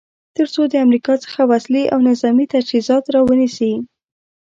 تر څو د امریکا څخه وسلې او نظامې تجهیزات را ونیسي.